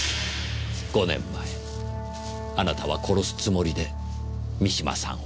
５年前あなたは殺すつもりで三島さんを呼んだ。